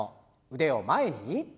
腕を前に。